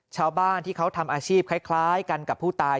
ชาวบ้านที่เขาทำอาชีพคล้ายกันกับผู้ตาย